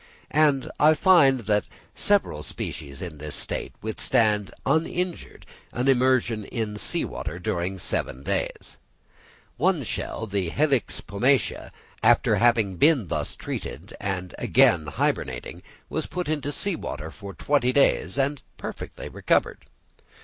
And I find that several species in this state withstand uninjured an immersion in sea water during seven days. One shell, the Helix pomatia, after having been thus treated, and again hybernating, was put into sea water for twenty days and perfectly recovered.